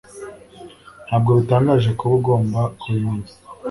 Ntabwo bitangaje kuba ugomba kubimenya